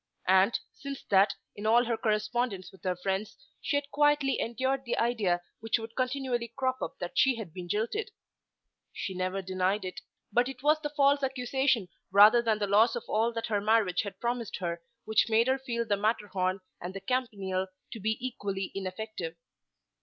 And, since that, in all her correspondence with her friends she had quietly endured the idea which would continually crop up that she had been jilted. She never denied it; but it was the false accusation rather than the loss of all that her marriage had promised her which made her feel the Matterhorn and the Campanile to be equally ineffective.